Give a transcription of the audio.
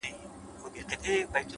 علم د تصمیم نیولو توان زیاتوي’